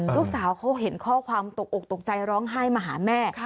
ลูกสาวเขาเห็นข้อความตกอกตกใจร้องไห้มาหาแม่